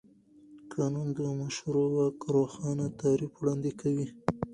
قانون د مشروع واک روښانه تعریف وړاندې کوي.